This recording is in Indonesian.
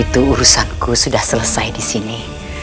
setting archeologi padahal dalam hal ini